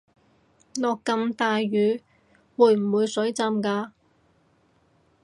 落咁大雨會唔會水浸架